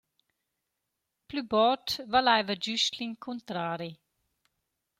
Plü bod valaiva güst’il cuntrari.